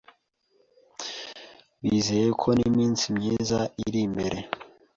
Bizeye ko n'iminsi myiza iri imbere.